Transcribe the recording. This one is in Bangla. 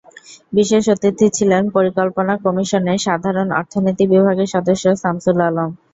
বিশেষ অতিথি ছিলেন পরিকল্পনা কমিশনের সাধারণ অর্থনীতি বিভাগের সদস্য শামসুল আলম।